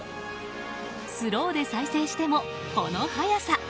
スローで再生しても、この早さ。